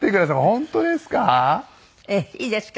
本当ですか？